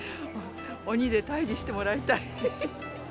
鬼で退治してもらいたい。